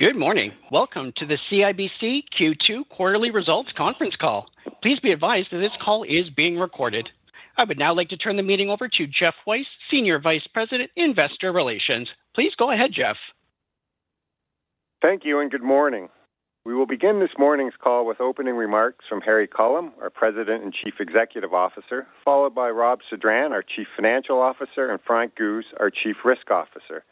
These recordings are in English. Good morning. Welcome to the CIBC Q2 quarterly results conference call. Please be advised that this call is being recorded. I would now like to turn the meeting over to Geoff Weiss, Senior Vice President, Investor Relations. Please go ahead, Geoff. Thank you, and good morning. We will begin this morning's call with opening remarks from Harry Culham, our President and Chief Executive Officer, followed by Rob Sedran, our Chief Financial Officer, and Frank Guse, our Chief Risk Officer.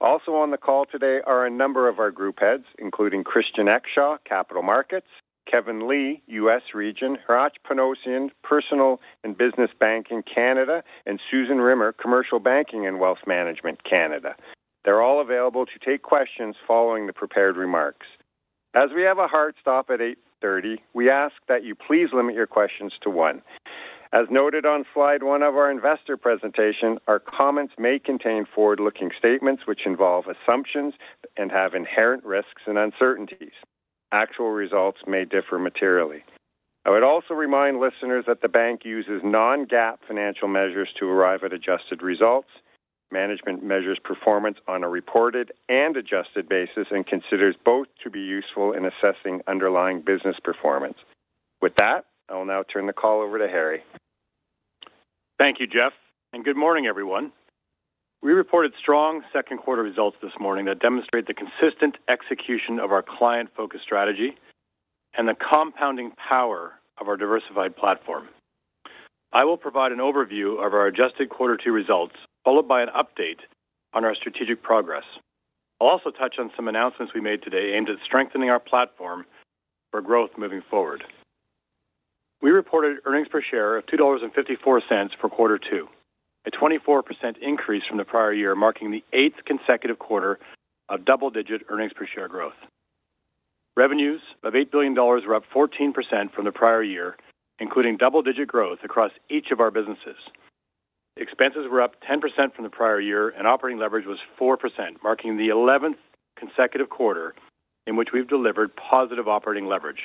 Also on the call today are a number of our Group Heads, including Christian Exshaw, Capital Markets, Kevin Li, U.S. Region, Hratch Panossian, Personal and Business Banking, Canada, and Susan Rimmer, Commercial Banking and Wealth Management Canada. They're all available to take questions following the prepared remarks. As we have a hard stop at 8:30 A.M., we ask that you please limit your questions to one. As noted on slide one of our investor presentation, our comments may contain forward-looking statements which involve assumptions and have inherent risks and uncertainties. Actual results may differ materially. I would also remind listeners that the bank uses non-GAAP financial measures to arrive at adjusted results. Management measures performance on a reported and adjusted basis and considers both to be useful in assessing underlying business performance. With that, I will now turn the call over to Harry. Thank you, Geoff, and good morning, everyone. We reported strong second quarter results this morning that demonstrate the consistent execution of our client-focused strategy and the compounding power of our diversified platform. I will provide an overview of our adjusted quarter two results, followed by an update on our strategic progress. I'll also touch on some announcements we made today aimed at strengthening our platform for growth moving forward. We reported earnings per share of 2.54 dollars for quarter two, a 24% increase from the prior year, marking the eighth consecutive quarter of double-digit earnings per share growth. Revenues of 8 billion dollars were up 14% from the prior year, including double-digit growth across each of our businesses. Expenses were up 10% from the prior year, and operating leverage was 4%, marking the 11th consecutive quarter in which we've delivered positive operating leverage.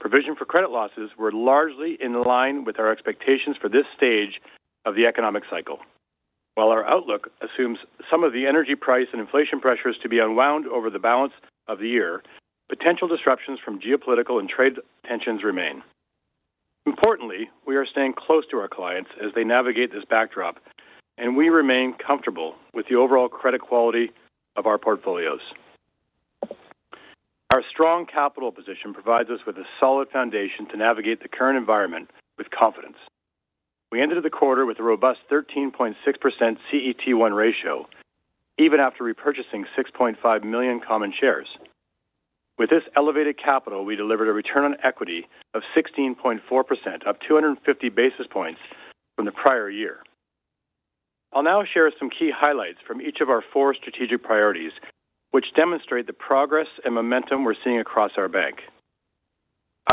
Provision for credit losses were largely in line with our expectations for this stage of the economic cycle. While our outlook assumes some of the energy price and inflation pressures to be unwound over the balance of the year, potential disruptions from geopolitical and trade tensions remain. Importantly, we are staying close to our clients as they navigate this backdrop, and we remain comfortable with the overall credit quality of our portfolios. Our strong capital position provides us with a solid foundation to navigate the current environment with confidence. We ended the quarter with a robust 13.6% CET1 ratio, even after repurchasing 6.5 million common shares. With this elevated capital, we delivered a return on equity of 16.4%, up 250 basis points from the prior year. I'll now share some key highlights from each of our four strategic priorities, which demonstrate the progress and momentum we're seeing across our bank.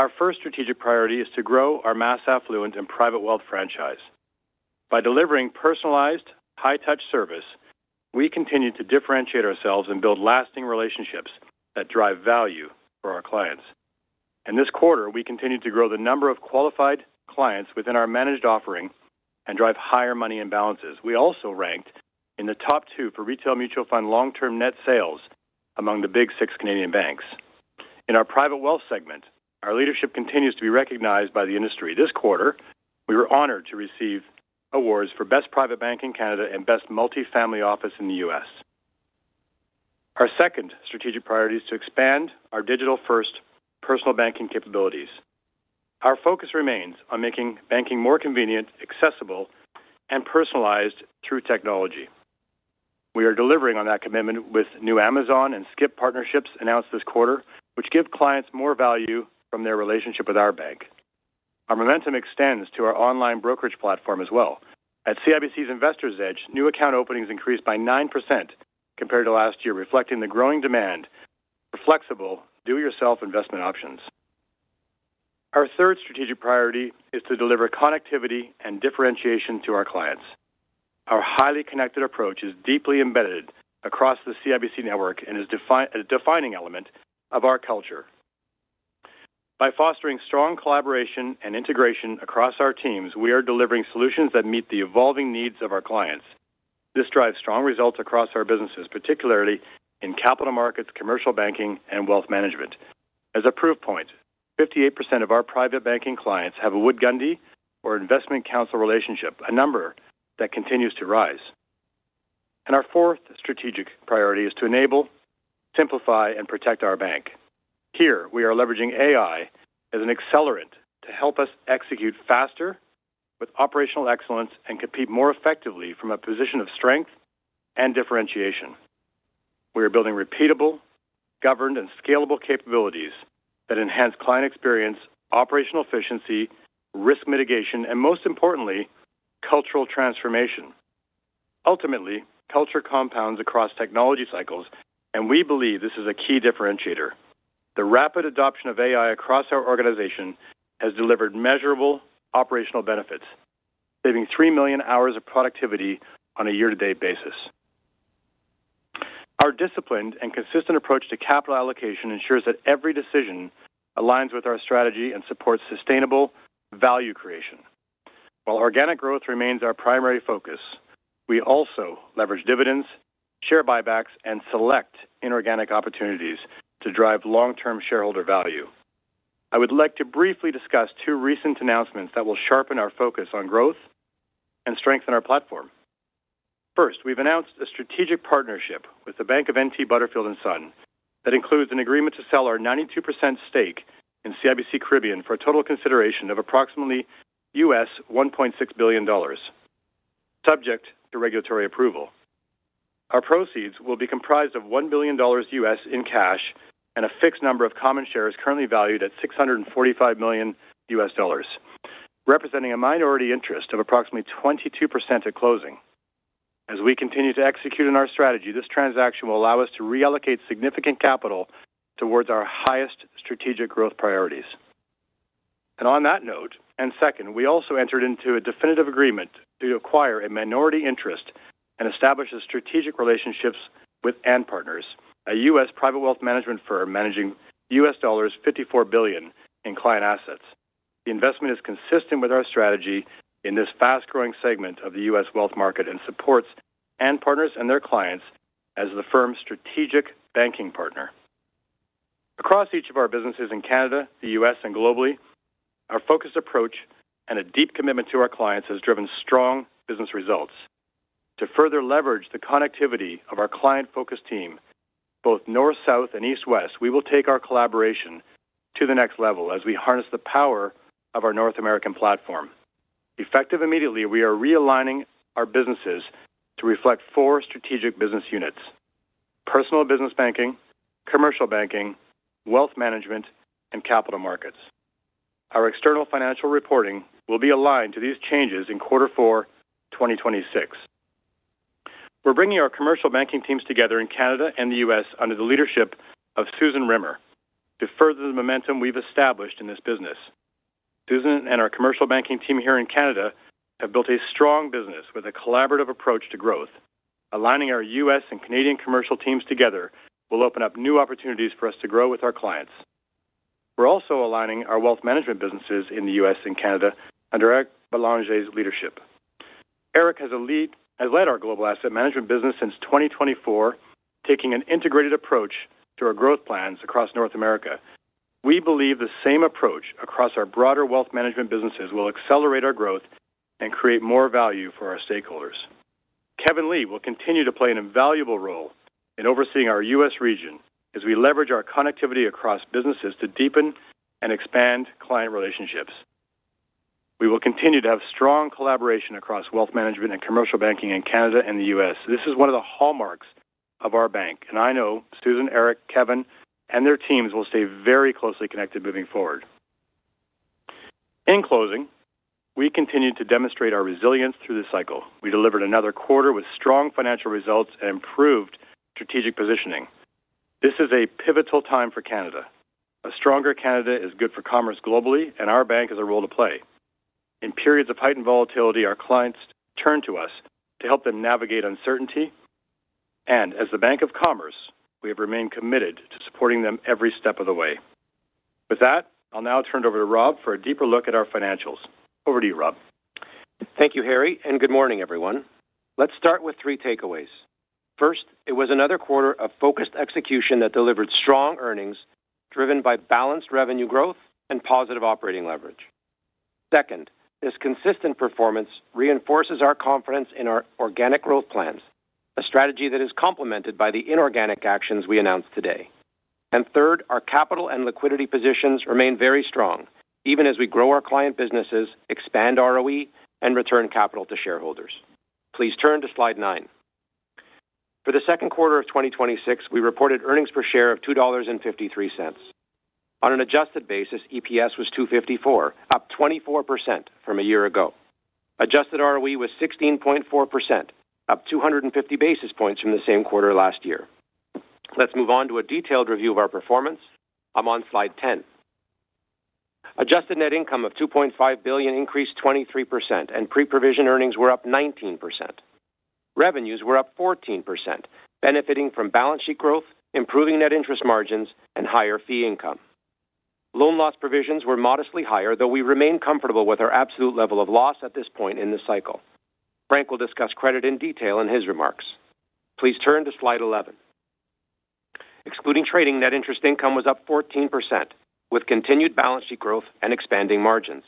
Our first strategic priority is to grow our mass affluent and private wealth franchise. By delivering personalized, high-touch service, we continue to differentiate ourselves and build lasting relationships that drive value for our clients. In this quarter, we continued to grow the number of qualified clients within our managed offering and drive higher money and balances. We also ranked in the top two for retail mutual fund long-term net sales among the Big Six Canadian banks. In our private wealth segment, our leadership continues to be recognized by the industry. This quarter, we were honored to receive awards for Best Private Bank in Canada and Best Multifamily Office in the U.S. Our second strategic priority is to expand our digital-first personal banking capabilities. Our focus remains on making banking more convenient, accessible, and personalized through technology. We are delivering on that commitment with new Amazon and Skip partnerships announced this quarter, which give clients more value from their relationship with our bank. Our momentum extends to our online brokerage platform as well. At CIBC Investor's Edge, new account openings increased by 9% compared to last year, reflecting the growing demand for flexible do-it-yourself investment options. Our third strategic priority is to deliver connectivity and differentiation to our clients. Our highly connected approach is deeply embedded across the CIBC network and is a defining element of our culture. By fostering strong collaboration and integration across our teams, we are delivering solutions that meet the evolving needs of our clients. This drives strong results across our businesses, particularly in Capital Markets, Commercial Banking, and Wealth Management. As a proof point, 58% of our private banking clients have a Wood Gundy or Investment Counsel relationship, a number that continues to rise. Our fourth strategic priority is to enable, simplify, and protect our bank. Here, we are leveraging AI as an accelerant to help us execute faster with operational excellence and compete more effectively from a position of strength and differentiation. We are building repeatable, governed, and scalable capabilities that enhance client experience, operational efficiency, risk mitigation, and most importantly, cultural transformation. Ultimately, culture compounds across technology cycles, and we believe this is a key differentiator. The rapid adoption of AI across our organization has delivered measurable operational benefits, saving three million hours of productivity on a year-to-date basis. Our disciplined and consistent approach to capital allocation ensures that every decision aligns with our strategy and supports sustainable value creation. While organic growth remains our primary focus, we also leverage dividends, share buybacks, and select inorganic opportunities to drive long-term shareholder value. I would like to briefly discuss two recent announcements that will sharpen our focus on growth and strengthen our platform. First, we've announced a strategic partnership with Bank of N.T. Butterfield & Son that includes an agreement to sell our 92% stake in CIBC Caribbean for a total consideration of approximately US$1.6 billion, subject to regulatory approval. Our proceeds will be comprised of $1 billion in cash and a fixed number of common shares currently valued at $645 million, representing a minority interest of approximately 22% at closing. As we continue to execute on our strategy, this transaction will allow us to reallocate significant capital towards our highest strategic growth priorities. On that note, and second, we also entered into a definitive agreement to acquire a minority interest and establish strategic relationships with &Partners, a U.S. private wealth management firm managing $54 billion in client assets. The investment is consistent with our strategy in this fast-growing segment of the U.S. wealth market and supports &Partners and their clients as the firm's strategic banking partner. Across each of our businesses in Canada, the U.S., and globally, our focused approach and a deep commitment to our clients has driven strong business results. To further leverage the connectivity of our client-focused team, both north, south, and east, west, we will take our collaboration to the next level as we harness the power of our North American platform. Effective immediately, we are realigning our businesses to reflect four strategic business units: Personal and Business Banking, Commercial Banking, Wealth Management, and Capital Markets. Our external financial reporting will be aligned to these changes in quarter four 2026. We're bringing our Commercial Banking teams together in Canada and the U.S. under the leadership of Susan Rimmer to further the momentum we've established in this business. Susan and our Commercial Banking team here in Canada have built a strong business with a collaborative approach to growth. Aligning our U.S. and Canadian Commercial teams together will open up new opportunities for us to grow with our clients. We're also aligning our Wealth Management businesses in the U.S. and Canada under Eric Bélanger's leadership. Eric has led our CIBC Global Asset Management business since 2024, taking an integrated approach to our growth plans across North America. We believe the same approach across our broader wealth management businesses will accelerate our growth and create more value for our stakeholders. Kevin Li will continue to play an invaluable role in overseeing our U.S. Region as we leverage our connectivity across businesses to deepen and expand client relationships. We will continue to have strong collaboration across wealth management and commercial banking in Canada and the U.S. This is one of the hallmarks of our bank, and I know Susan, Eric, Kevin, and their teams will stay very closely connected moving forward. In closing, we continue to demonstrate our resilience through the cycle. We delivered another quarter with strong financial results and improved strategic positioning. This is a pivotal time for Canada. A stronger Canada is good for commerce globally, and our bank has a role to play. In periods of heightened volatility, our clients turn to us to help them navigate uncertainty, and as the Bank of Commerce, we have remained committed to supporting them every step of the way. With that, I'll now turn it over to Rob for a deeper look at our financials. Over to you, Rob. Thank you, Harry, and good morning, everyone. Let's start with three takeaways. First, it was another quarter of focused execution that delivered strong earnings driven by balanced revenue growth and positive operating leverage. Second, this consistent performance reinforces our confidence in our organic growth plans, a strategy that is complemented by the inorganic actions we announced today. Third, our capital and liquidity positions remain very strong even as we grow our client businesses, expand ROE, and return capital to shareholders. Please turn to slide nine. For the second quarter of 2026, we reported earnings per share of 2.53 dollars. On an adjusted basis, EPS was 2.54, up 24% from a year ago. Adjusted ROE was 16.4%, up 250 basis points from the same quarter last year. Let's move on to a detailed review of our performance. I'm on slide 10. Adjusted net income of 2.5 billion increased 23%, pre-provision earnings were up 19%. Revenues were up 14%, benefiting from balance sheet growth, improving net interest margins, and higher fee income. Loan loss provisions were modestly higher, though we remain comfortable with our absolute level of loss at this point in the cycle. Frank will discuss credit in detail in his remarks. Please turn to slide 11. Excluding trading, net interest income was up 14%, with continued balance sheet growth and expanding margins.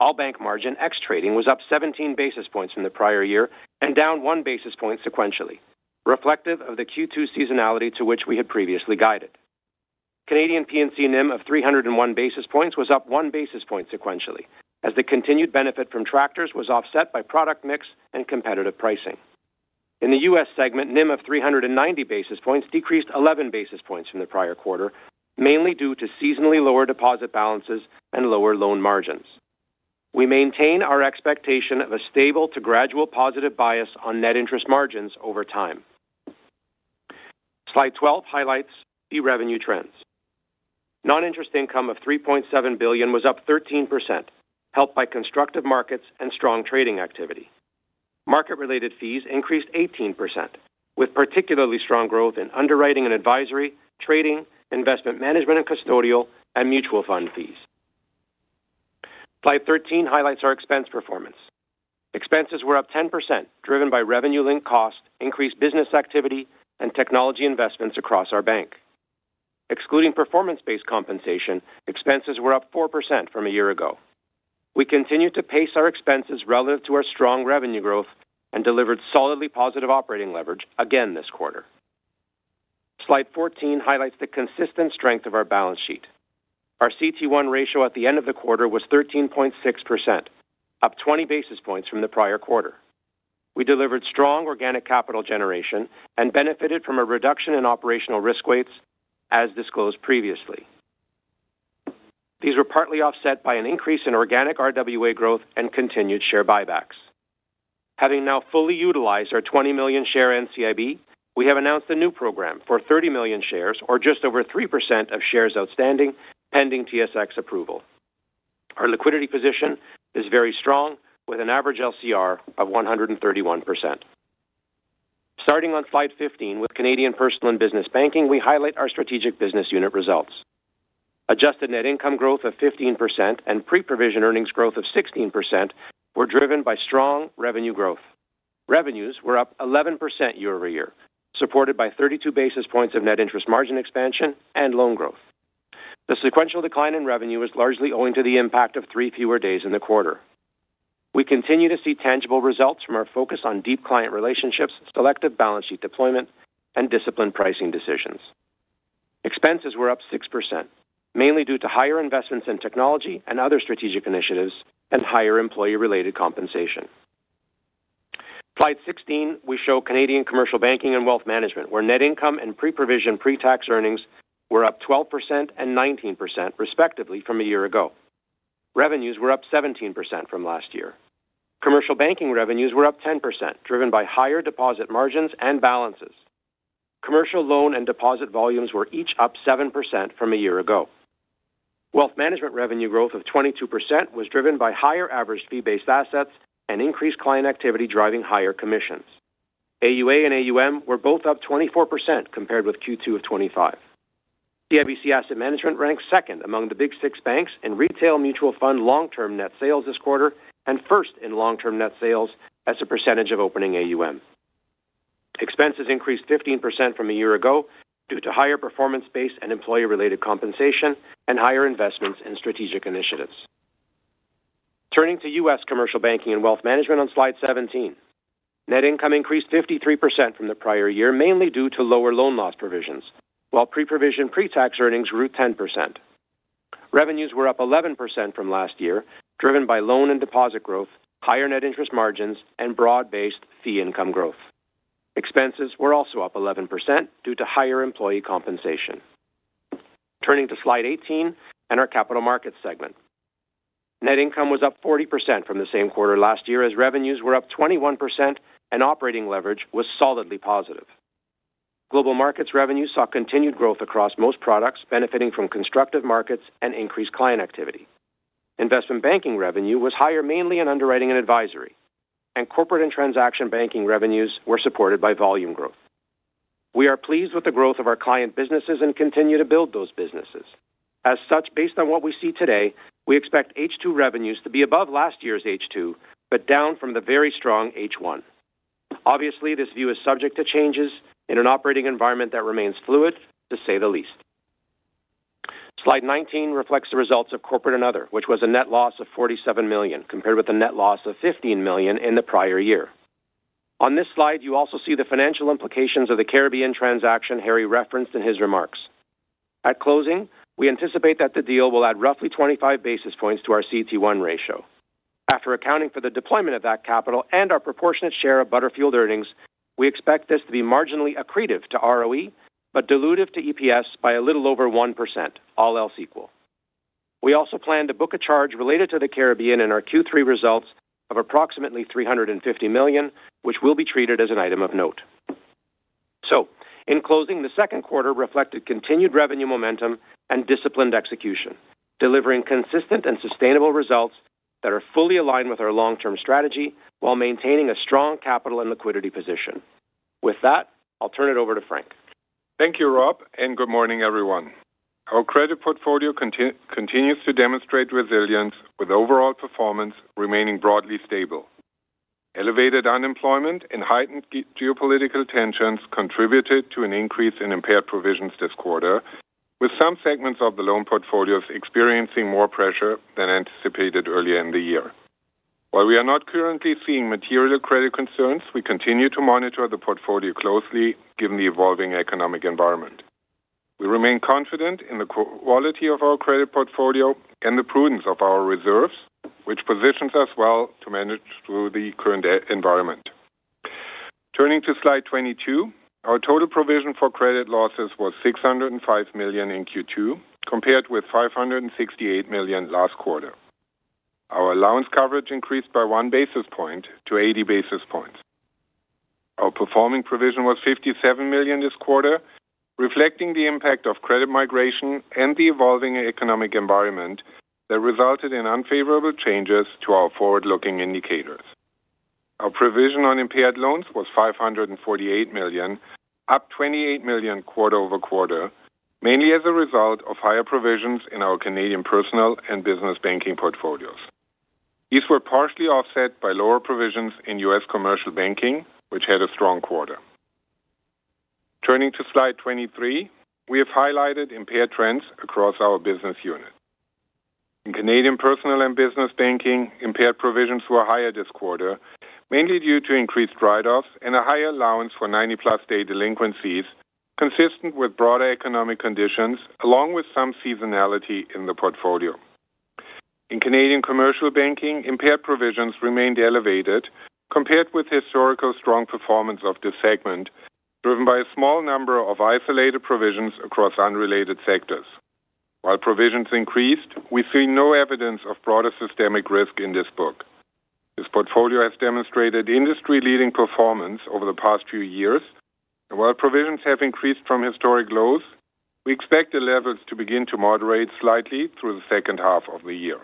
All bank margin ex-trading was up 17 basis points from the prior year and down one basis point sequentially, reflective of the Q2 seasonality to which we had previously guided. Canadian P&C NIM of 301 basis points was up one basis point sequentially, as the continued benefit from tractors was offset by product mix and competitive pricing. In the U.S. segment, NIM of 390 basis points decreased 11 basis points from the prior quarter, mainly due to seasonally lower deposit balances and lower loan margins. We maintain our expectation of a stable to gradual positive bias on net interest margins over time. Slide 12 highlights key revenue trends. Non-interest income of 3.7 billion was up 13%, helped by constructive markets and strong trading activity. Market-related fees increased 18%, with particularly strong growth in underwriting and advisory, trading, investment management and custodial, and mutual fund fees. Slide 13 highlights our expense performance. Expenses were up 10%, driven by revenue-linked costs, increased business activity, and technology investments across our bank. Excluding performance-based compensation, expenses were up 4% from a year ago. We continued to pace our expenses relative to our strong revenue growth and delivered solidly positive operating leverage again this quarter. Slide 14 highlights the consistent strength of our balance sheet. Our CET1 ratio at the end of the quarter was 13.6%, up 20 basis points from the prior quarter. We delivered strong organic capital generation and benefited from a reduction in operational risk weights as disclosed previously. These were partly offset by an increase in organic RWA growth and continued share buybacks. Having now fully utilized our 20 million share NCIB, we have announced a new program for 30 million shares, or just over 3% of shares outstanding, pending TSX approval. Our liquidity position is very strong, with an average LCR of 131%. Starting on slide 15 with Canadian Personal and Business Banking, we highlight our strategic business unit results. Adjusted net income growth of 15% and pre-provision earnings growth of 16% were driven by strong revenue growth. Revenues were up 11% year-over-year, supported by 32 basis points of net interest margin expansion and loan growth. The sequential decline in revenue is largely owing to the impact of three fewer days in the quarter. We continue to see tangible results from our focus on deep client relationships, selective balance sheet deployment, and disciplined pricing decisions. Expenses were up 6%, mainly due to higher investments in technology and other strategic initiatives and higher employee-related compensation. Slide 16, we show Canadian Commercial Banking and Wealth Management, where net income and pre-provision pre-tax earnings were up 12% and 19%, respectively, from a year ago. Revenues were up 17% from last year. Commercial banking revenues were up 10%, driven by higher deposit margins and balances. Commercial loan and deposit volumes were each up 7% from a year ago. Wealth Management revenue growth of 22% was driven by higher average fee-based assets and increased client activity driving higher commissions. AUA and AUM were both up 24% compared with Q2 2025. CIBC Asset Management ranked second among the Big Six banks in retail mutual fund long-term net sales this quarter and first in long-term net sales as a percentage of opening AUM. Expenses increased 15% from a year ago due to higher performance-based and employee-related compensation and higher investments in strategic initiatives. Turning to U.S. Commercial Banking and Wealth Management on slide 17. Net income increased 53% from the prior year, mainly due to lower loan loss provisions, while pre-provision pre-tax earnings grew 10%. Revenues were up 11% from last year, driven by loan and deposit growth, higher net interest margins, and broad-based fee income growth. Expenses were also up 11% due to higher employee compensation. Turning to slide 18 and our Capital Markets segment. Net income was up 40% from the same quarter last year as revenues were up 21% and operating leverage was solidly positive. Global Markets revenue saw continued growth across most products, benefiting from constructive markets and increased client activity. Investment Banking revenue was higher mainly in underwriting and advisory, and Corporate and Transaction Banking revenues were supported by volume growth. We are pleased with the growth of our client businesses and continue to build those businesses. As such, based on what we see today, we expect H2 revenues to be above last year's H2, but down from the very strong H1. This view is subject to changes in an operating environment that remains fluid, to say the least. Slide 19 reflects the results of corporate and other, which was a net loss of 47 million, compared with a net loss of 15 million in the prior year. On this slide, you also see the financial implications of the Caribbean transaction Harry referenced in his remarks. At closing, we anticipate that the deal will add roughly 25 basis points to our CET1 ratio. After accounting for the deployment of that capital and our proportionate share of Butterfield earnings, we expect this to be marginally accretive to ROE, but dilutive to EPS by a little over 1%, all else equal. We also plan to book a charge related to the Caribbean in our Q3 results of approximately 350 million, which will be treated as an item of note. In closing, the second quarter reflected continued revenue momentum and disciplined execution, delivering consistent and sustainable results that are fully aligned with our long-term strategy while maintaining a strong capital and liquidity position. With that, I'll turn it over to Frank. Thank you, Rob. Good morning, everyone. Our credit portfolio continues to demonstrate resilience with overall performance remaining broadly stable. Elevated unemployment and heightened geopolitical tensions contributed to an increase in impaired provisions this quarter, with some segments of the loan portfolios experiencing more pressure than anticipated earlier in the year. While we are not currently seeing material credit concerns, we continue to monitor the portfolio closely given the evolving economic environment. We remain confident in the quality of our credit portfolio and the prudence of our reserves, which positions us well to manage through the current environment. Turning to slide 22, our total provision for credit losses was 605 million in Q2, compared with 568 million last quarter. Our allowance coverage increased by one basis point to 80 basis points. Our performing provision was 57 million this quarter, reflecting the impact of credit migration and the evolving economic environment that resulted in unfavorable changes to our forward-looking indicators. Our provision on impaired loans was 548 million, up 28 million quarter-over-quarter, mainly as a result of higher provisions in our Canadian Personal and Business Banking portfolios. These were partially offset by lower provisions in U.S. Commercial Banking, which had a strong quarter. Turning to slide 23. We have highlighted impaired trends across our business units. In Canadian Personal and Business Banking, impaired provisions were higher this quarter, mainly due to increased write-offs and a higher allowance for 90+ day delinquencies, consistent with broader economic conditions, along with some seasonality in the portfolio. In Canadian Commercial Banking, impaired provisions remained elevated compared with the historical strong performance of this segment, driven by a small number of isolated provisions across unrelated sectors. While provisions increased, we see no evidence of broader systemic risk in this book. This portfolio has demonstrated industry-leading performance over the past few years. And while provisions have increased from historic lows, we expect the levels to begin to moderate slightly through the second half of the year.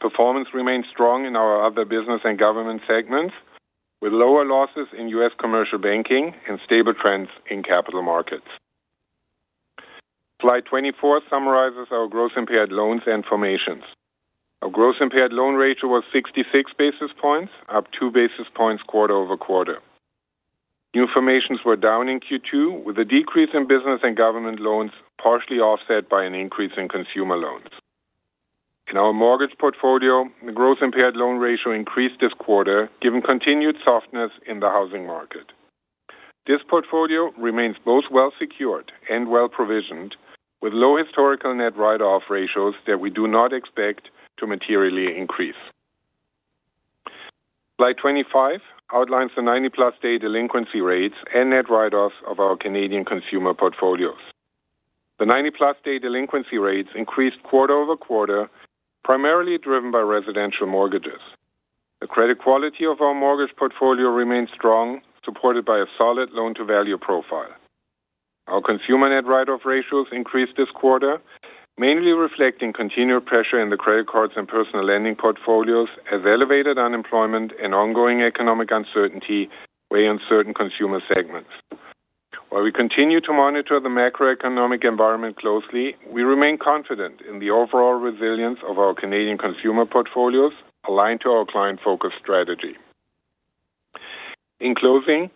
Performance remains strong in our other business and government segments, with lower losses in U.S. Commercial Banking and stable trends in Capital Markets. Slide 24 summarizes our gross impaired loans and formations. Our gross impaired loan ratio was 66 basis points, up two basis points quarter-over-quarter. New formations were down in Q2, with a decrease in business and government loans partially offset by an increase in consumer loans. In our mortgage portfolio, the gross impaired loan ratio increased this quarter, given continued softness in the housing market. This portfolio remains both well-secured and well-provisioned, with low historical net write-off ratios that we do not expect to materially increase. Slide 25 outlines the 90+ day delinquency rates and net write-offs of our Canadian consumer portfolios. The 90+ day delinquency rates increased quarter over quarter, primarily driven by residential mortgages. The credit quality of our mortgage portfolio remains strong, supported by a solid loan-to-value profile. Our consumer net write-off ratios increased this quarter, mainly reflecting continued pressure in the credit cards and personal lending portfolios as elevated unemployment and ongoing economic uncertainty weigh on certain consumer segments. While we continue to monitor the macroeconomic environment closely, we remain confident in the overall resilience of our Canadian consumer portfolios aligned to our client-focused strategy. In closing,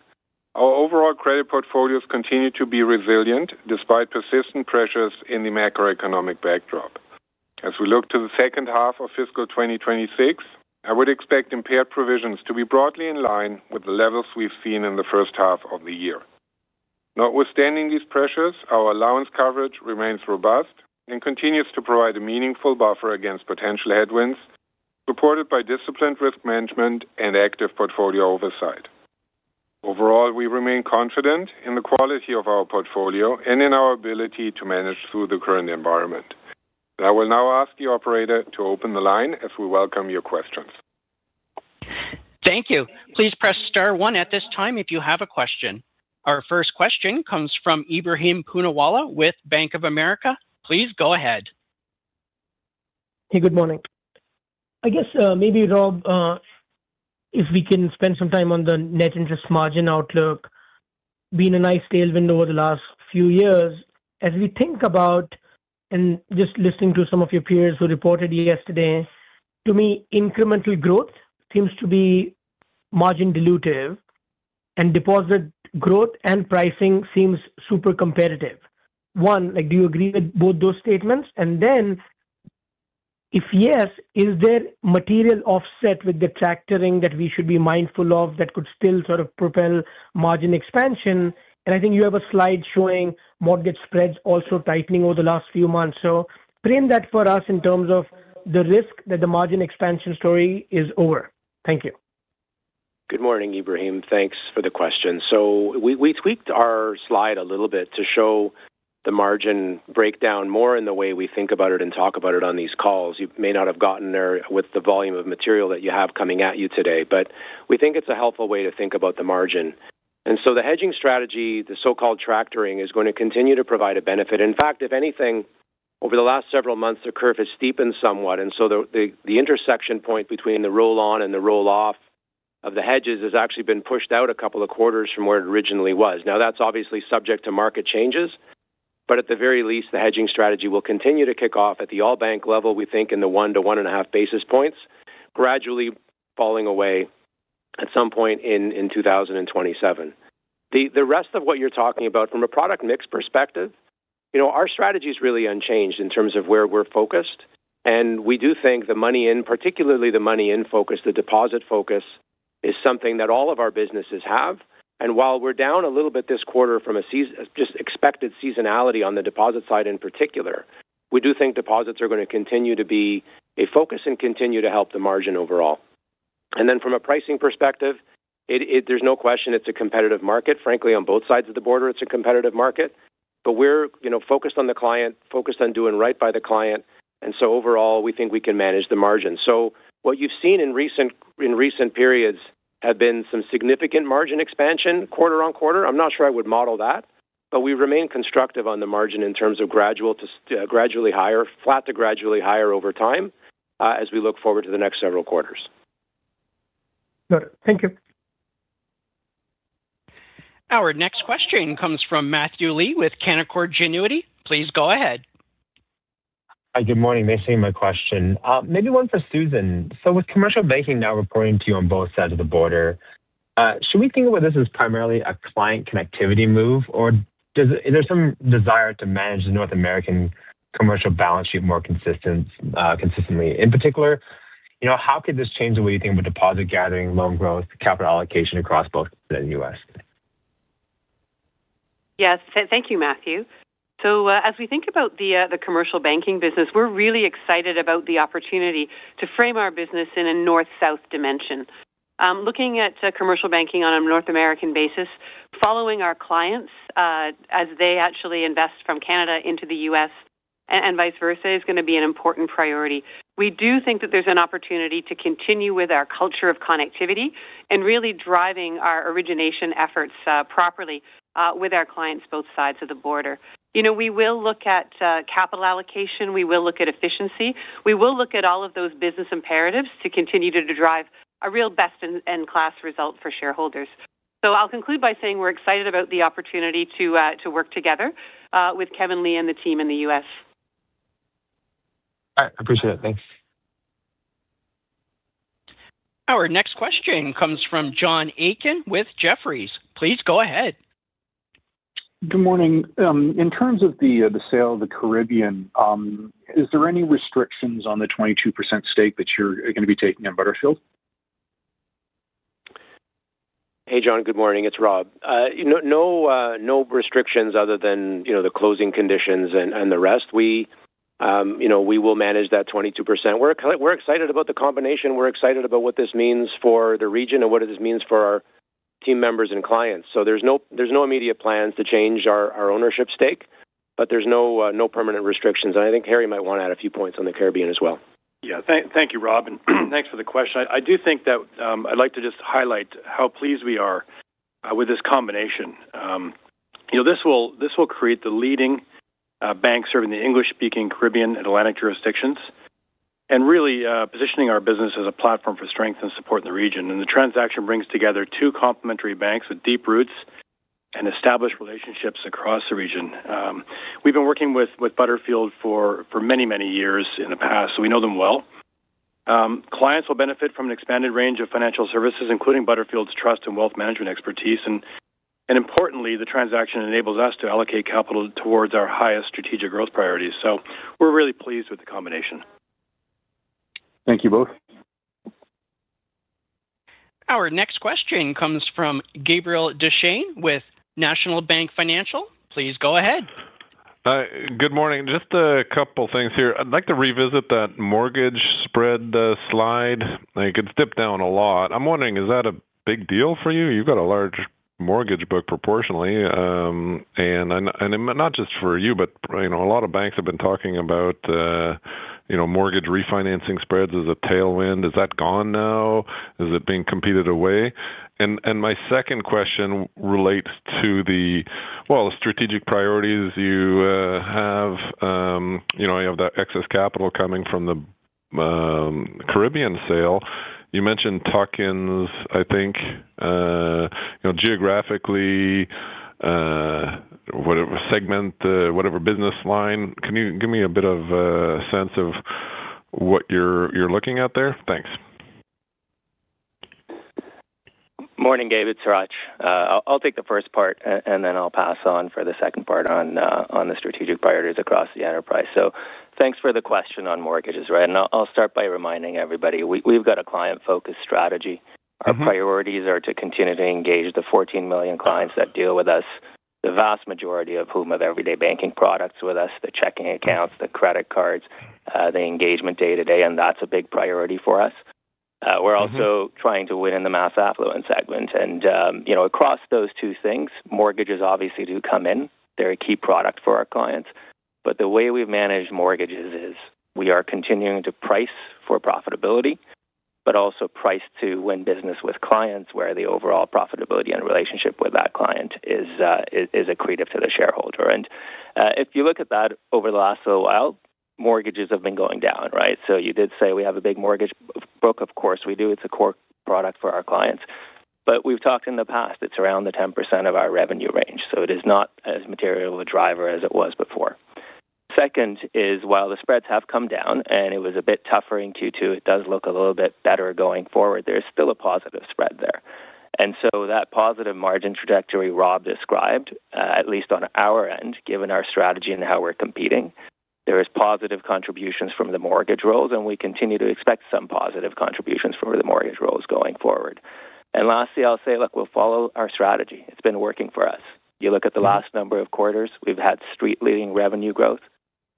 our overall credit portfolios continue to be resilient despite persistent pressures in the macroeconomic backdrop. As we look to the second half of fiscal 2026, I would expect impaired provisions to be broadly in line with the levels we've seen in the first half of the year. Notwithstanding these pressures, our allowance coverage remains robust and continues to provide a meaningful buffer against potential headwinds, supported by disciplined risk management and active portfolio oversight. Overall, we remain confident in the quality of our portfolio and in our ability to manage through the current environment. I will now ask the operator to open the line as we welcome your questions. Thank you. Please press star one at this time if you have a question. Our first question comes from Ebrahim Poonawala with Bank of America. Please go ahead. Hey, good morning. I guess maybe, Rob, if we can spend some time on the net interest margin outlook. Being a nice tailwind over the last few years, as we think about and just listening to some of your peers who reported yesterday, to me, incremental growth seems to be margin dilutive and deposit growth and pricing seems super competitive. One, do you agree with both those statements? If yes, is there material offset with the repricing that we should be mindful of that could still sort of propel margin expansion? I think you have a slide showing mortgage spreads also tightening over the last few months. Prime that for us in terms of the risk that the margin expansion story is over. Thank you. Good morning, Ebrahim. Thanks for the question. We tweaked our slide a little bit to show the margin breakdown more in the way we think about it and talk about it on these calls. You may not have gotten there with the volume of material that you have coming at you today, but we think it's a helpful way to think about the margin. The hedging strategy, the so-called tractoring, is going to continue to provide a benefit. In fact, if anything, over the last several months, the curve has steepened somewhat, and so the intersection point between the roll-on and the roll-off of the hedges has actually been pushed out a couple of quarters from where it originally was. That's obviously subject to market changes, but at the very least, the hedging strategy will continue to kick off at the all bank level, we think in the one to one and a half basis points, gradually falling away at some point in 2027. The rest of what you're talking about from a product mix perspective, our strategy is really unchanged in terms of where we're focused, and we do think the money in, particularly the money in focus, the deposit focus, is something that all of our businesses have. While we're down a little bit this quarter from a just expected seasonality on the deposit side in particular, we do think deposits are going to continue to be a focus and continue to help the margin overall. Then from a pricing perspective, there's no question it's a competitive market. Frankly, on both sides of the border, it's a competitive market. We're focused on the client, focused on doing right by the client, and so overall, we think we can manage the margin. What you've seen in recent periods have been some significant margin expansion quarter-on-quarter. I'm not sure I would model that, but we remain constructive on the margin in terms of flat to gradually higher over time as we look forward to the next several quarters. Got it. Thank you. Our next question comes from Matthew Lee with Canaccord Genuity. Please go ahead. Hi, good morning. Thanks for taking my question. Maybe one for Susan. With Commercial Banking now reporting to you on both sides of the border, should we think about this as primarily a client connectivity move, or is there some desire to manage the North American commercial balance sheet more consistently? In particular, how could this change the way you think about deposit gathering, loan growth, capital allocation across both the U.S.? Yes. Thank you, Matthew. As we think about the commercial banking business, we're really excited about the opportunity to frame our business in a north-south dimension. Looking at commercial banking on a North American basis, following our clients, as they actually invest from Canada into the U.S., and vice versa, is going to be an important priority. We do think that there's an opportunity to continue with our culture of connectivity and really driving our origination efforts properly, with our clients, both sides of the border. We will look at capital allocation, we will look at efficiency, we will look at all of those business imperatives to continue to drive a real best-in-class result for shareholders. I'll conclude by saying we're excited about the opportunity to work together with Kevin Li and the team in the U.S. All right. Appreciate it. Thanks. Our next question comes from John Aiken with Jefferies. Please go ahead. Good morning. In terms of the sale of the Caribbean, is there any restrictions on the 22% stake that you're going to be taking in Butterfield? Hey, John. Good morning. It's Rob. No restrictions other than the closing conditions and the rest. We will manage that 22%. We're excited about the combination. We're excited about what this means for the region and what this means for our team members and clients. There's no immediate plans to change our ownership stake, but there's no permanent restrictions. I think Harry might want to add a few points on the Caribbean as well. Yeah. Thank you, Rob, and thanks for the question. I do think that I'd like to just highlight how pleased we are with this combination. This will create the leading bank serving the English-speaking Caribbean and Atlantic jurisdictions, really positioning our business as a platform for strength and support in the region. The transaction brings together two complementary banks with deep roots and established relationships across the region. We've been working with Butterfield for many, many years in the past, so we know them well. Clients will benefit from an expanded range of financial services, including Butterfield's trust and wealth management expertise. Importantly, the transaction enables us to allocate capital towards our highest strategic growth priorities. We're really pleased with the combination. Thank you both. Our next question comes from Gabriel Dechaine with National Bank Financial. Please go ahead. Good morning. Just a couple things here. I'd like to revisit that mortgage spread slide. It is dipped down a lot. I am wondering, is that a big deal for you? You have got a large mortgage book proportionally, and not just for you, but a lot of banks have been talking about mortgage refinancing spreads as a tailwind. Is that gone now? Is it being competed away? My second question relates to the strategic priorities you have. You have that excess capital coming from the CIBC Caribbean sale. You mentioned talk-ins, I think, geographically, whatever segment, whatever business line. Can you give me a bit of a sense of what you are looking at there? Thanks. Morning, Gabe, it's Hratch. I'll take the first part and then I'll pass on for the second part on the strategic priorities across the enterprise. Thanks for the question on mortgages, and I'll start by reminding everybody, we've got a client-focused strategy. Our priorities are to continue to engage the 14 million clients that deal with us, the vast majority of whom have everyday banking products with us, the checking accounts, the credit cards, the engagement day to day. That's a big priority for us. We're also trying to win in the mass affluent segment. Across those two things, mortgages obviously do come in. They're a key product for our clients. The way we manage mortgages is we are continuing to price for profitability, but also price to win business with clients where the overall profitability and relationship with that client is accretive to the shareholder. If you look at that over the last little while, mortgages have been going down. You did say we have a big mortgage book. Of course, we do. It's a core product for our clients. We've talked in the past, it's around the 10% of our revenue range, so it is not as material of a driver as it was before. Second is while the spreads have come down and it was a bit tougher in Q2, it does look a little bit better going forward. There's still a positive spread there. So that positive margin trajectory Rob described, at least on our end, given our strategy and how we're competing, there is positive contributions from the mortgage rolls, and we continue to expect some positive contributions from the mortgage rolls going forward. Lastly, I'll say, look, we'll follow our strategy. It's been working for us. You look at the last number of quarters, we've had street-leading revenue growth.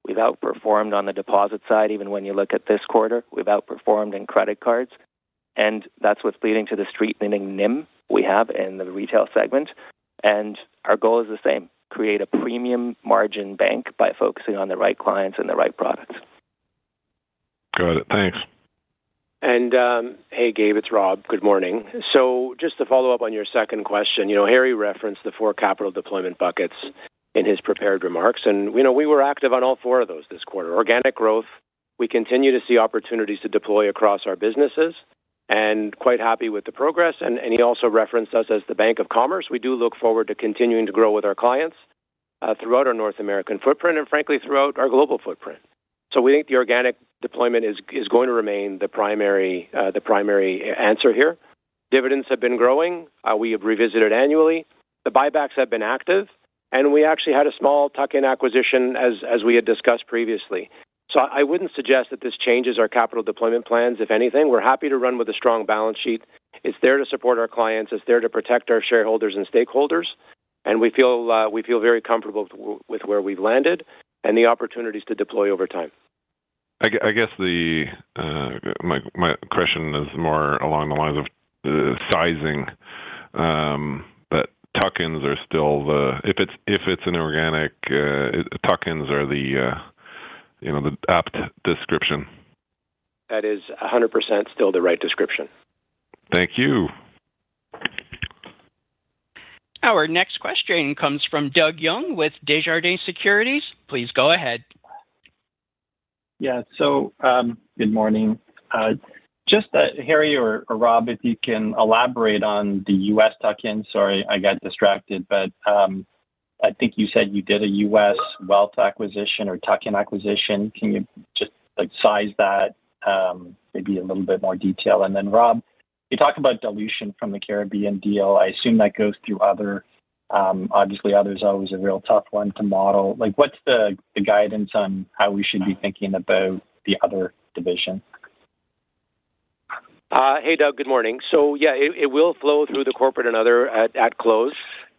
We've outperformed on the deposit side, even when you look at this quarter. We've outperformed in credit cards, and that's what's leading to the street-leading NIM we have in the retail segment. Our goal is the same, create a premium margin bank by focusing on the right clients and the right products. Got it. Thanks. Hey, Gabe, it's Rob. Good morning. Just to follow up on your second question, Harry referenced the four capital deployment buckets in his prepared remarks, and we were active on all four of those this quarter. Organic growth, we continue to see opportunities to deploy across our businesses, and quite happy with the progress. He also referenced us as the Bank of Commerce. We do look forward to continuing to grow with our clients throughout our North American footprint and frankly, throughout our global footprint. We think the organic deployment is going to remain the primary answer here. Dividends have been growing. We have revisited annually. The buybacks have been active. We actually had a small tuck-in acquisition as we had discussed previously. I wouldn't suggest that this changes our capital deployment plans. If anything, we're happy to run with a strong balance sheet. It's there to support our clients, it's there to protect our shareholders and stakeholders, and we feel very comfortable with where we've landed and the opportunities to deploy over time. I guess my question is more along the lines of the sizing, but if it's inorganic, tuck-ins are the apt description. That is 100% still the right description. Thank you. Our next question comes from Doug with Desjardins Securities. Please go ahead. Good morning. Just Harry or Rob, if you can elaborate on the U.S. tuck-in. Sorry, I got distracted, but I think you said you did a U.S. wealth acquisition or tuck-in acquisition. Can you just size that maybe in a little bit more detail? Rob, you talked about dilution from the Caribbean deal. I assume that goes through obviously, Other's always a real tough one to model. What's the guidance on how we should be thinking about the Other division? Hey, Doug. Good morning. Yeah, it will flow through the corporate and other at close.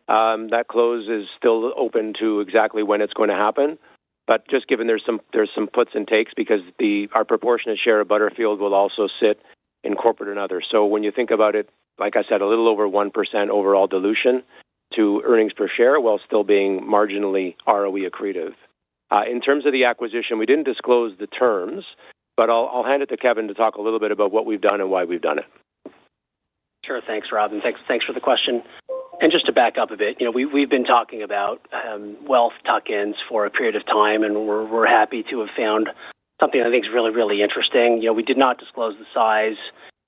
That close is still open to exactly when it's going to happen. Just given there's some puts and takes because our proportionate share of Butterfield will also sit in corporate and other. When you think about it, like I said, a little over 1% overall dilution to earnings per share, while still being marginally ROE accretive. In terms of the acquisition, we didn't disclose the terms. I'll hand it to Kevin to talk a little bit about what we've done and why we've done it. Sure. Thanks, Rob, and thanks for the question. Just to back up a bit, we've been talking about wealth tuck-ins for a period of time, and we're happy to have found something I think is really interesting. We did not disclose the size.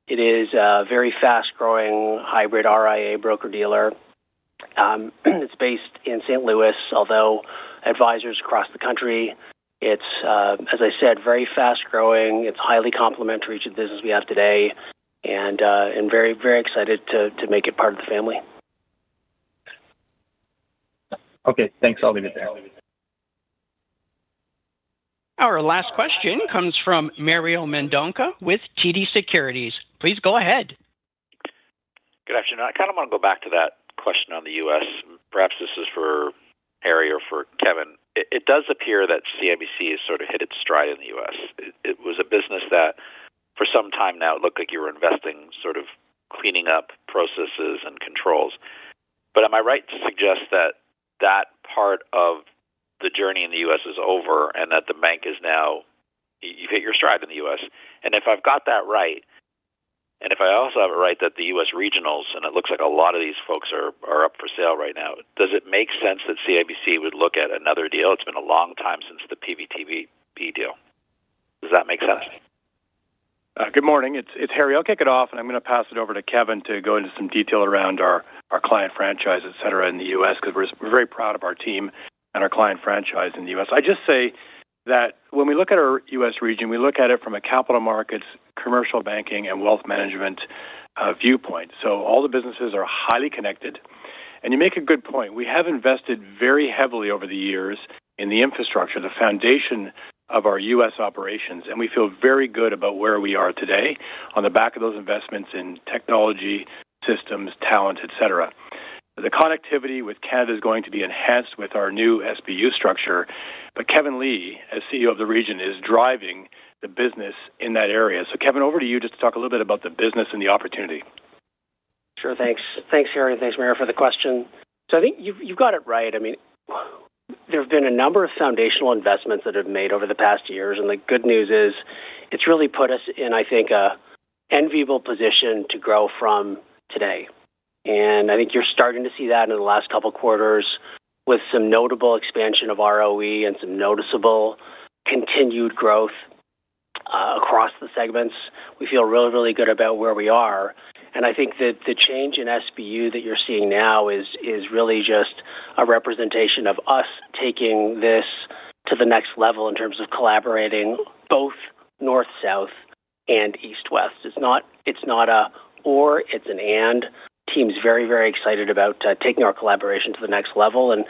It is a very fast-growing hybrid RIA broker-dealer. It's based in St. Louis, although advisors across the country. It's, as I said, very fast-growing, it's highly complementary to the business we have today, and very excited to make it part of the family. Okay, thanks. I'll leave it there. Our last question comes from Mario Mendonca with TD Securities. Please go ahead. Good afternoon. I kind of want to go back to that question on the U.S. Perhaps this is for Harry or for Kevin. It does appear that CIBC has sort of hit its stride in the U.S. It was a business that for some time now looked like you were investing, sort of cleaning up processes and controls. Am I right to suggest that that part of the journey in the U.S. is over? You've hit your stride in the U.S. If I've got that right, and if I also have it right that the U.S. regionals, and it looks like a lot of these folks are up for sale right now, does it make sense that CIBC would look at another deal? It's been a long time since the PVTB deal. Does that make sense? Good morning. It's Harry. I'll kick it off, and I'm going to pass it over to Kevin to go into some detail around our client franchise, et cetera, in the U.S. because we're very proud of our team and our client franchise in the U.S. I just say that when we look at our U.S. region, we look at it from a capital markets, commercial banking, and wealth management viewpoint. All the businesses are highly connected. You make a good point. We have invested very heavily over the years in the infrastructure, the foundation of our U.S. operations, and we feel very good about where we are today on the back of those investments in technology, systems, talent, et cetera. The connectivity with Canada is going to be enhanced with our new SBU structure, but Kevin Li, as Chief Executive Officer of the region, is driving the business in that area. Kevin, over to you just to talk a little bit about the business and the opportunity. Sure. Thanks, Harry, and thanks, Mario, for the question. I think you've got it right. There have been a number of foundational investments that I've made over the past years, and the good news is it's really put us in, I think, an enviable position to grow from today. I think you're starting to see that in the last couple of quarters with some notable expansion of ROE and some noticeable continued growth across the segments. We feel really good about where we are, and I think that the change in SBU that you're seeing now is really just a representation of us taking this to the next level in terms of collaborating both north, south and east, west. It's not an or, it's an and. Team's very excited about taking our collaboration to the next level. As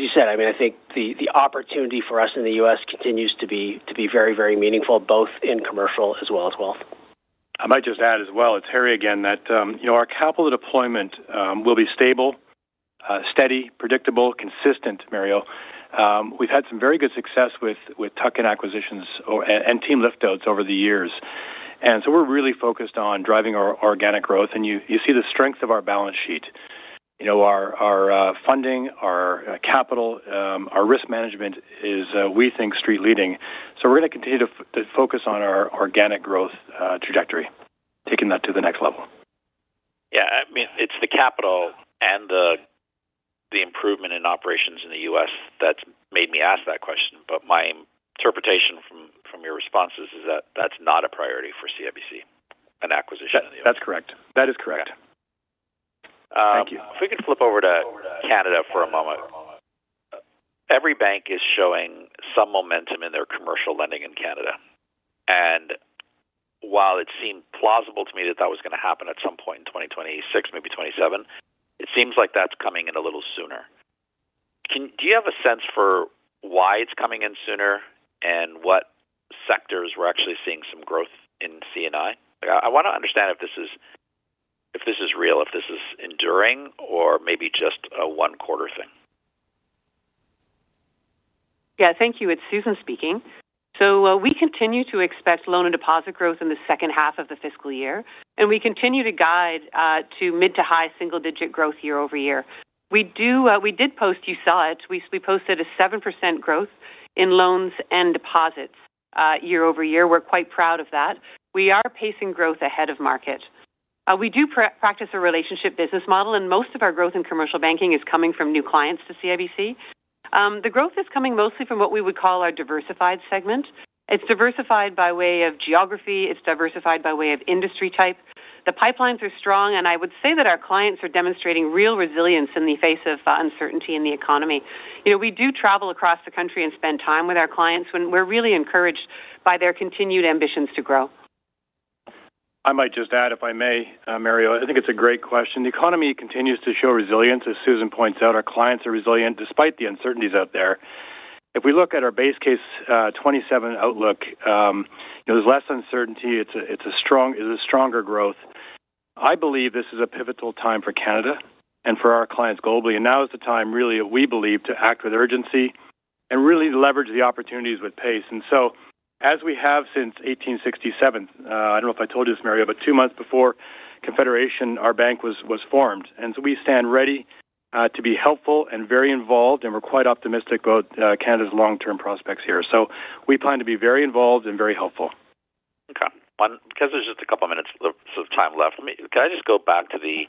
you said, I think the opportunity for us in the U.S. continues to be very meaningful, both in commercial as well as wealth. I might just add as well, it is Harry again, that our capital deployment will be stable, steady, predictable, consistent, Mario. We've had some very good success with tuck-in acquisitions and team lift outs over the years. We're really focused on driving our organic growth. You see the strength of our balance sheet. Our funding, our capital, our risk management is, we think, street leading. We're going to continue to focus on our organic growth trajectory, taking that to the next level. Yeah. It's the capital and the improvement in operations in the U.S. that's made me ask that question. My interpretation from your responses is that that's not a priority for CIBC, an acquisition in the U.S. That's correct. Okay. Thank you. If we could flip over to Canada for a moment. Every bank is showing some momentum in their commercial lending in Canada. While it seemed plausible to me that that was going to happen at some point in 2026, maybe 2027, it seems like that's coming in a little sooner. Do you have a sense for why it's coming in sooner and what sectors we're actually seeing some growth in C&I? I want to understand if this is real, if this is enduring, or maybe just a one-quarter thing. Yeah, thank you. It's Susan speaking. We continue to expect loan and deposit growth in the second half of the fiscal year, and we continue to guide to mid to high single-digit growth year-over-year. We did post, you saw it, we posted a 7% growth in loans and deposits year-over-year. We're quite proud of that. We are pacing growth ahead of market. We do practice a relationship business model, and most of our growth in Commercial Banking is coming from new clients to CIBC. The growth is coming mostly from what we would call our diversified segment. It's diversified by way of geography. It's diversified by way of industry type. The pipelines are strong, and I would say that our clients are demonstrating real resilience in the face of uncertainty in the economy. We do travel across the country and spend time with our clients, and we're really encouraged by their continued ambitions to grow. I might just add, if I may, Mario. I think it's a great question. The economy continues to show resilience. As Susan points out, our clients are resilient despite the uncertainties out there. If we look at our base case 2027 outlook, there's less uncertainty. It's a stronger growth. I believe this is a pivotal time for Canada and for our clients globally. Now is the time, really, we believe, to act with urgency and really leverage the opportunities with pace. As we have since 1867, I don't know if I told you this, Mario, but two months before Confederation, our bank was formed. We stand ready to be helpful and very involved, and we're quite optimistic about Canada's long-term prospects here. We plan to be very involved and very helpful. Okay. Because there's just a couple of minutes of time left, can I just go back to the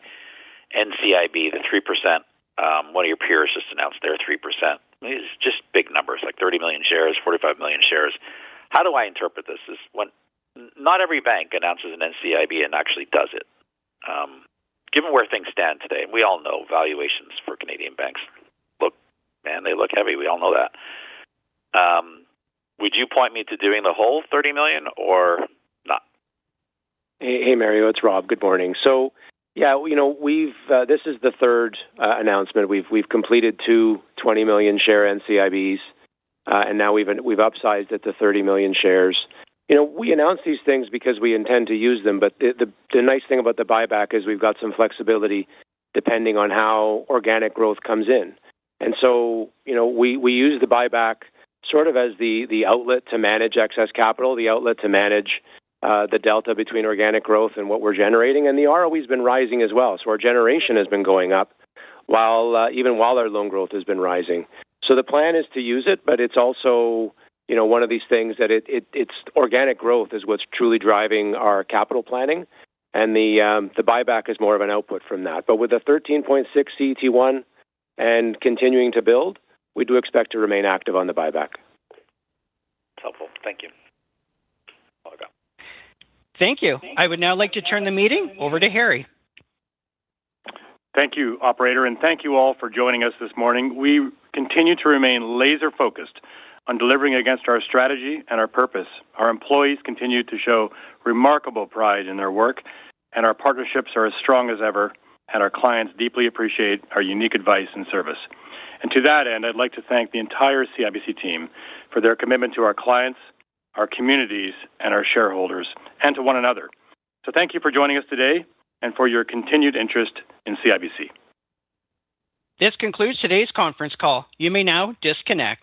NCIB, the 3%? One of your peers just announced their 3%. It's just big numbers, like 30 million shares, 45 million shares. How do I interpret this? Not every bank announces an NCIB and actually does it. Given where things stand today, we all know valuations for Canadian banks, man, they look heavy. We all know that. Would you point me to doing the whole 30 million or not? Hey, Mario, it's Rob. Good morning. Yeah, this is the third announcement. We've completed two 20 million share NCIBs, and now we've upsized it to 30 million shares. We announce these things because we intend to use them, but the nice thing about the buyback is we've got some flexibility depending on how organic growth comes in. We use the buyback sort of as the outlet to manage excess capital, the outlet to manage the delta between organic growth and what we're generating. The ROE's been rising as well. Our generation has been going up even while our loan growth has been rising. The plan is to use it, but it's also one of these things that its organic growth is what's truly driving our capital planning, and the buyback is more of an output from that. With a 13.6 CET1 and continuing to build, we do expect to remain active on the buyback. It's helpful. Thank you. Over. Thank you. I would now like to turn the meeting over to Harry. Thank you, Operator, and thank you all for joining us this morning. We continue to remain laser-focused on delivering against our strategy and our purpose. Our employees continue to show remarkable pride in their work, our partnerships are as strong as ever, our clients deeply appreciate our unique advice and service. To that end, I'd like to thank the entire CIBC team for their commitment to our clients, our communities, and our shareholders, and to one another. Thank you for joining us today and for your continued interest in CIBC. This concludes today's conference call. You may now disconnect.